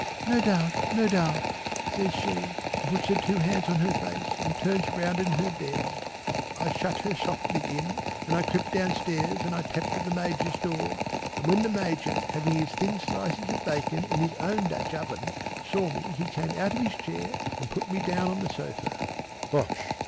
"No doubt, no doubt," says she, and puts her two hands on her face and turns round in her bed. I shut her softly in and I crept down stairs and I tapped at the Major's door, and when the Major having his thin slices of bacon in his own Dutch oven saw me he came out of his chair and put me down on the sofa. "Hush!"